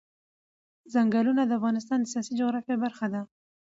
چنګلونه د افغانستان د سیاسي جغرافیه برخه ده.